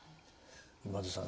今津さん